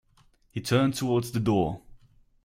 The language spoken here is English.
He turned towards the door.